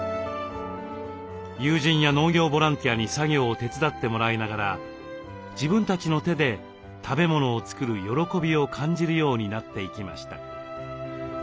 友人や農業ボランティアに作業を手伝ってもらいながら自分たちの手で食べ物を作る喜びを感じるようになっていきました。